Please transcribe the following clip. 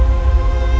nanti saya susah